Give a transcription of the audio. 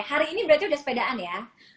hari ini berarti sudah sepedaan ya